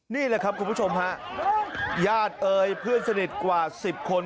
นี่แหละครับคุณผู้ชมฮะญาติเอ่ยเพื่อนสนิทกว่า๑๐คน